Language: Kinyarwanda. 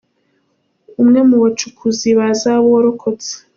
Umwe mu bacukuzi ba zahabu warokotse.